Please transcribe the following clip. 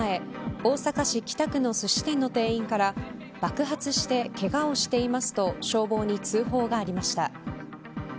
大阪市北区のすし店の店員から爆発してけがをしていますと消防に通報がありました。